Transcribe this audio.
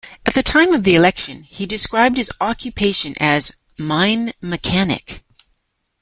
At the time of the election, he described his occupation as "mine mechanic".